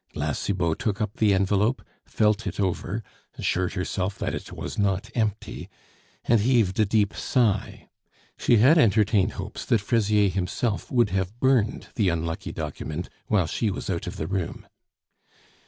La Cibot took up the envelope, felt it over, assured herself that it was not empty, and heaved a deep sigh. She had entertained hopes that Fraisier himself would have burned the unlucky document while she was out of the room.